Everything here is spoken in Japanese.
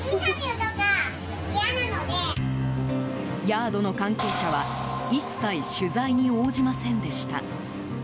ヤードの関係者は一切取材に応じませんでした。